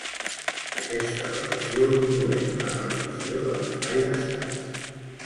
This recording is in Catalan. Aquesta relació indueix una partició de l'espai d'estats.